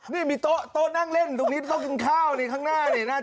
มีมีโต๊ะนั่งเล่นนี่เถอะโต๊ะกินข้าว